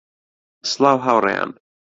سڵاو هاوڕێیان